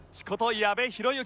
矢部浩之。